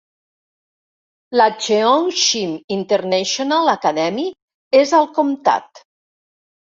La Cheongshim International Academy és al comtat.